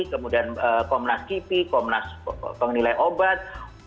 kemudian komnas kipi komnas penilai obat